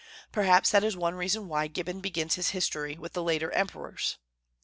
Perhaps that is one reason why Gibbon begins his history with later emperors.